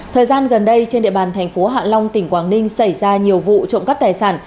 thời gian gần đây trên địa bàn thành phố hạ long tỉnh quảng ninh xảy ra nhiều vụ trộm cắp tài sản